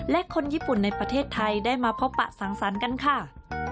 และคนญี่ปุ่นในประเทศไทยได้มาพบปะสังสรรค์กันค่ะ